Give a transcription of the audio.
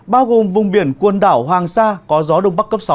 bao gồm vùng biển quần đảo hoàng sa có gió đông bắc cấp sáu